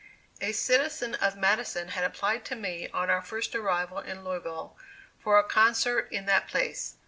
A citizen of Madison had applied to me on our first arrival in Louisville, for a concert in that place.